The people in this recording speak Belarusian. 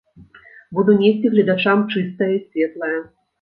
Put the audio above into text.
Буду несці гледачам чыстае і светлае.